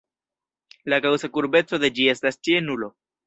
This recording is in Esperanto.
La gaŭsa kurbeco de ĝi estas ĉie nulo.